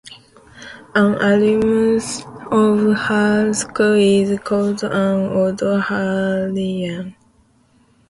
An alumnus of Hale School is called an "Old Haleian".